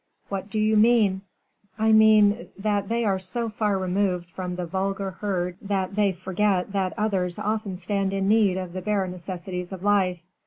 "What do you mean?" "I mean that they are so far removed from the vulgar herd that they forget that others often stand in need of the bare necessities of life.